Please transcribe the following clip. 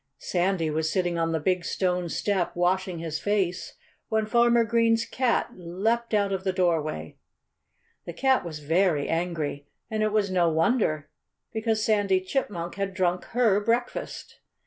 Sandy was sitting on the big stone step, washing his face, when Farmer Green's cat leaped out of the doorway. The cat was very angry. And it was no wonder, because Sandy Chipmunk had drunk her breakfast.